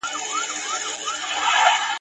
شېبه وروسته په توند باد کي ورکېده دي !.